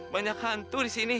banyak hantu disini